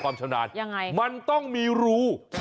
มันต้องมีรู